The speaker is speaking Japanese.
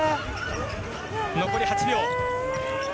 残り８秒。